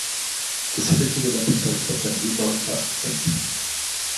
The syndicated episodes have been rebroadcast since.